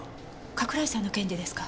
加倉井さんの件でですか？